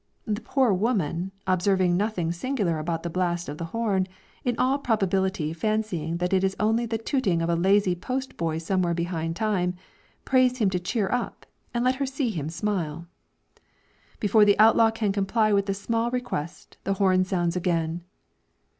The poor woman, observing nothing singular about the blast of the horn in all probability fancying that it is only the tooting of a lazy post boy somewhat behind time, prays him to cheer up, and let her see him smile. Before the outlaw can comply with this small request the horn sounds again.